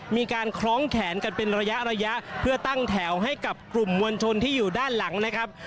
มีการคล้องแขนกันเป็นระยะระยะเพื่อตั้งแถวให้กับกลุ่มมวลชนที่อยู่ด้านหลังนะครับ